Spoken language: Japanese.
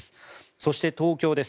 そして東京です。